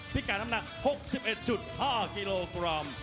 พิกัดน้ำหนัก๖๑๕กิโลกรัม